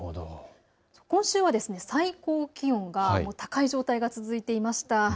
今週は最高気温が高い状態が続いていました。